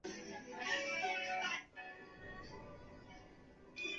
这种舞通常需要八个人以上的舞者两两一对地跳。